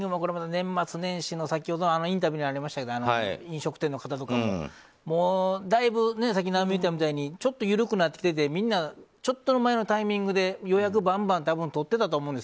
年末年始で先ほどのインタビューにありましたが飲食店の方とかも尚美ちゃん言ったみたいにちょっと緩くなっててみんなちょっと前のタイミングでようやくバンバン多分、取っていたと思うんです。